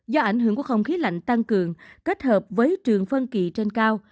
do ảnh hưởng của không khí lạnh tăng cường kết hợp với trường phân kỳ trên cao